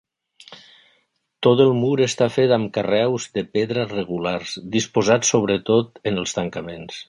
Tot el mur està fet amb carreus de pedra regulars, disposats sobretot en els tancaments.